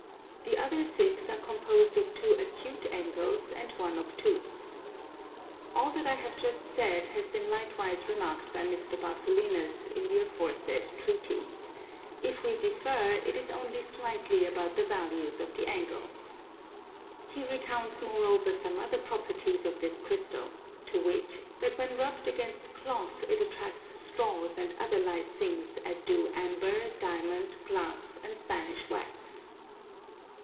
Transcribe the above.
The other six are composed of two acute angles and one obtuse. All that I have just said has been likewise remarked by Mr. Bartholinus in the aforesaid treatise; if we differ it is only slightly about the values of the angles. He recounts moreover some other properties of this Crystal; to wit, that when rubbed against cloth it attracts straws and other light things as do amber, diamond, glass, and Spanish wax.